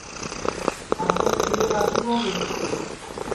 دؔتیم کیڑے لاگی جاوں گے